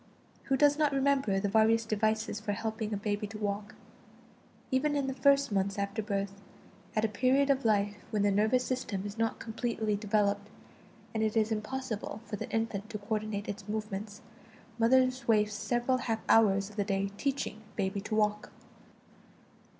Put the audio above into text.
Who does not remember the various devices for helping a baby to walk? Even in the first months after birth, at a period of life when the nervous system is not completely developed, and it is impossible for the infant to coordinate its movements, mothers wasted several half hours of the day "teaching baby to walk."